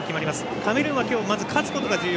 カメルーンは今日勝つことが重要。